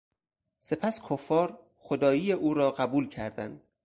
سپس کفار، خدایی او را قبول کردند.